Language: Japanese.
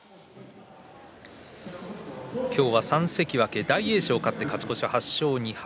今日は３関脇大栄翔勝って勝ち越し８勝２敗。